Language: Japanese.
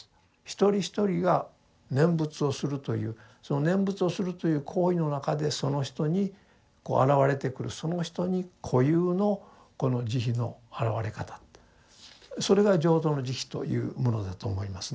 一人一人が念仏をするというその念仏をするという行為の中でその人に現れてくるその人に個有のこの慈悲の現れ方それが浄土の慈悲というものだと思いますね。